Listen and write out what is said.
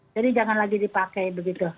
jadi jangan lagi dipakai begitu